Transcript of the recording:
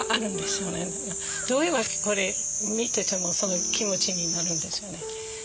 どういう訳かこれ見ててもその気持ちになるんですよね。